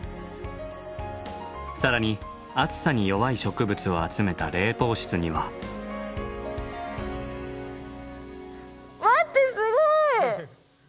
更に暑さに弱い植物を集めた冷房室には。待って。